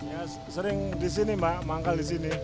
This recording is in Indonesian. ya sering di sini mbak manggal di sini